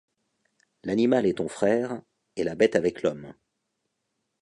L’animal est ton frère, et la bête avec l’homme